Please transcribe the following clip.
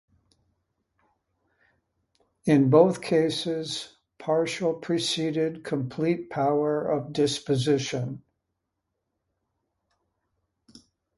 In both cases partial preceded complete power of disposition.